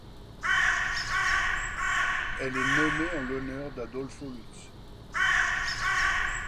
Elle est nommée en l'honneur d'Adolpho Lutz.